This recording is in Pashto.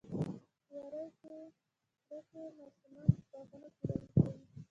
وری کې ماشومان په باغونو کې لوبې کوي.